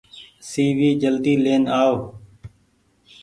سي وي جلدي لين آئو۔